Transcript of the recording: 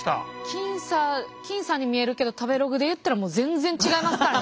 僅差僅差に見えるけど食べログでいったらもう全然違いますからね。